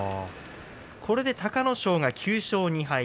これで隆の勝が９勝２敗。